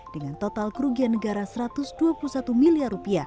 dengan total kerugian negara rp satu ratus dua puluh satu miliar